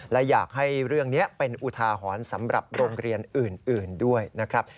และอยากให้เรื่องนี้เป็นอุทาหรณ์สำหรับโรงเรียนอื่นด้วยนะครับ